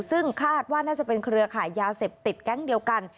ซึ่งคาดว่าน่าจะเป็นเครือขายยาเสพติดแก๊งเดียวกัน